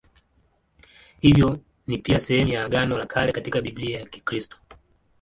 Hivyo ni pia sehemu ya Agano la Kale katika Biblia ya Kikristo.